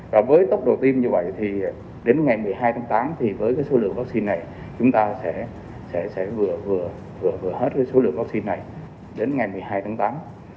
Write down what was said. và với tốc độ tiêm như vậy thì đến ngày một mươi hai tháng tám thì với số lượng vaccine này chúng ta sẽ vừa hết số lượng vaccine này đến ngày một mươi hai tháng tám